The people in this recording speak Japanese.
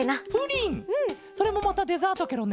それもまたデザートケロね。